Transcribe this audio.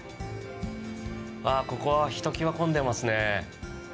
ここはひときわ混んでいますね。